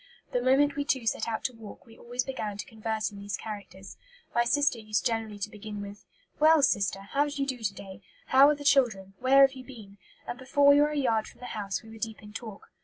The moment we two set out to walk, we always began to converse in these characters. My sister used generally to begin with, 'Well, sister, how do you do to day? How are the children? Where have you been?' and before we were a yard from the house we were deep in talk.